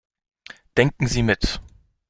Denken Sie mit.